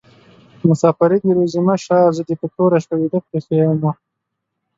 مسافري دي روزي مشه: زه دي په توره شپه ويده پریښي يمه